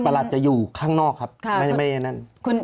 ประหลัดจะอยู่ข้างนอกครับไม่ได้อย่างนั้น